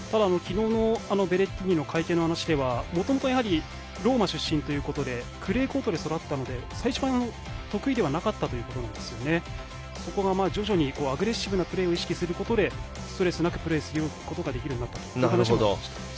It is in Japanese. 昨日のベレッティーニの会見の話ではもともとローマ出身でクレーコートで育ったので最初は、得意ではなかったということですが徐々にアグレッシブなプレーを意識することでストレスなくプレーすることができると話していました。